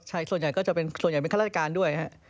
ใช่ส่วนใหญ่ก็จะเป็นส่วนใหญ่เป็นข้าราชการด้วยฮะ